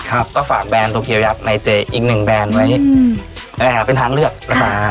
ครับก็ฝากแบรนดโตเกียวยักษ์ในเจอีกหนึ่งแบรนด์ไว้อืมอ่าเป็นทางเลือกนะครับอ่า